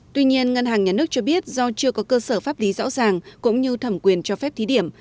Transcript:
tuy nhiên ngân hàng nhà nước cho biết do chưa có cơ sở pháp lý rõ ràng cũng như thẩm quyền cho phép thí điểm